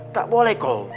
tak boleh kau